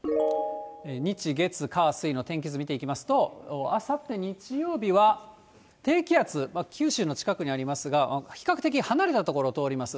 日、月、火、水の天気図を見ていきますと、あさって日曜日は低気圧、九州の近くにありますが、比較的離れた所を通ります。